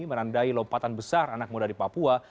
menandai lompatan besar anak muda di papua